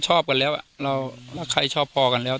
ตอนนั้นภายเราชอบกันแล้ว